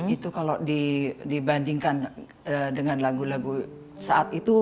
itu kalau dibandingkan dengan lagu lagu saat itu